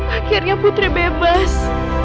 akhirnya putri bebas